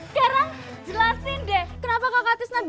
sekarang jelasin deh kenapa kakak tisna bisa sama ani